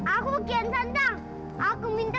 aku ken tante